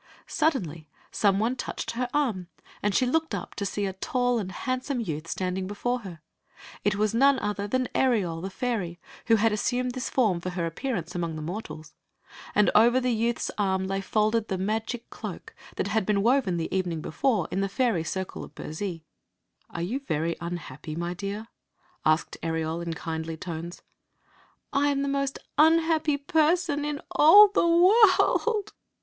Suddenly some one touched her arm, and she looked up to see a tall and handsome youth standing before her. It was none other than Ereol Uie &iry, who had assumed this form for her appearance among mortals; and over the youth's arm lay folded the magic cloak that had been woven the evening before in the ^ry circle of Burzee. "Are you very unhappy, my dear?" asked Ereol, in kindly tones. " I am the most unhappy person in all the world